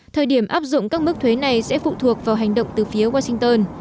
thời điểm áp dụng các mức thuế này sẽ phụ thuộc vào hành động từ phía washington